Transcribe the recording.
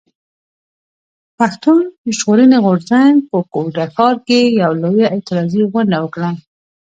پښتون ژغورني غورځنګ په کوټه ښار کښي يوه لويه اعتراضي غونډه وکړه.